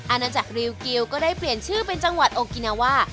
อาณาจักรริวกิลก็ได้เปลี่ยนชื่อเป็นจังหวัดโอกินาว่า